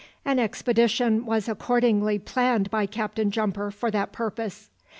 An expedition was accordingly planned by Captain Jumper for that purpose.